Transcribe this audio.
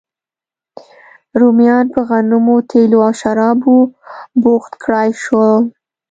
رومیان په غنمو، تېلو او شرابو بوخت کړای شول